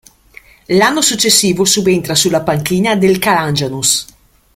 L'anno successivo subentra sulla panchina del Calangianus.